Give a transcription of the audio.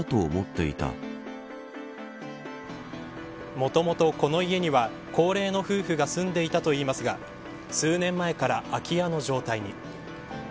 もともと、この家には高齢の夫婦が住んでいたといいますが数年前から空き家の状態に。